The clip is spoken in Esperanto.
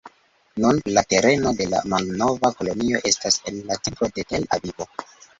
Nun, la tereno de la malnova kolonio estas en la centro de Tel-Avivo.